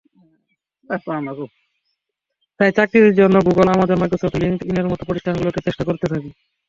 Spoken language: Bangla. তাই চাকরির জন্য গুগল, আমাজন, মাইক্রোসফট, লিংকড-ইনের মতো প্রতিষ্ঠানগুলোতে চেষ্টা করতে থাকি।